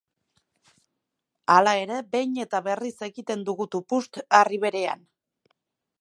Hala ere, behin eta berriz egiten dugu tupust harri berean.